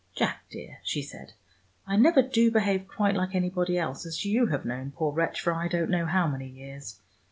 "Jack, dear," she said, "I never do behave quite like anybody else, as you have known, poor wretch, for I don't know how many years.